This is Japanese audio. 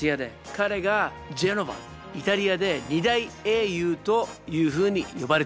イタリアで２大英雄というふうに呼ばれています。